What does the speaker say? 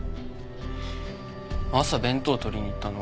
朝弁当取りに行ったの。